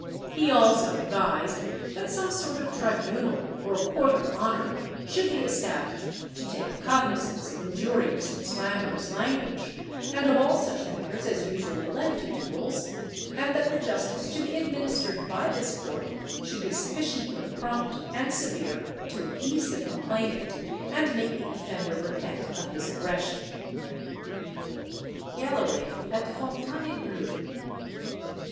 He also advised, that some sort of tribunal, or court of honour, should be established, to take cognisance of injurious and slanderous language, and of all such matters as usually led to duels; and that the justice to be administered by this court should be sufficiently prompt and severe to appease the complainant, and make the offender repent of his aggression. [Illustration: GALLERY AT FONTAINEBLEAU.